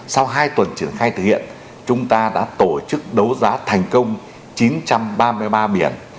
sau hai tuần triển khai thực hiện chúng ta đã tổ chức đấu giá thành công chín trăm ba mươi ba biển